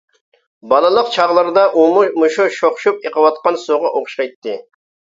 بالىلىق چاغلىرىدا ئۇمۇ مۇشۇ شوخشۇپ ئېقىۋاتقان سۇغا ئوخشايتتى.